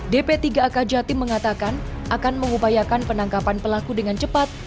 dp tiga ak jatim mengatakan akan mengupayakan penangkapan pelaku dengan cepat